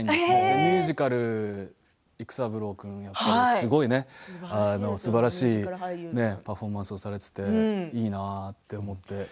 ミュージカル育三郎君やっていて、すばらしいパフォーマンスをされていていいなと思っていて。